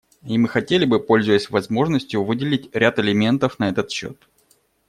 И мы хотели бы, пользуясь возможностью, выделить ряд элементов на этот счет.